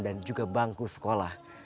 dan juga bangku sekolah